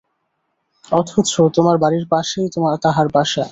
অথচ তোমার বাড়ির পাশেই তাহার বাসা।